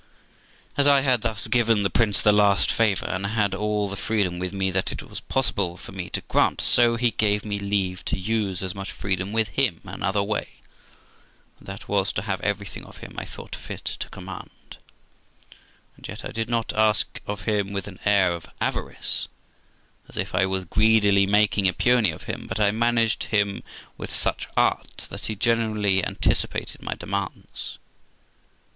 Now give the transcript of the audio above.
As I had thus given the prince the last favour, and he had all the freedom with me that it was possible for me to grant, so he gave me leave to use as much freedom with him another way, and that was to have everything of him I thought fit to command; and yet I did not ask of him with an air of avarice, as if I was greedily making a penny of him, but I managed him with such art that he generally anticipated my demands.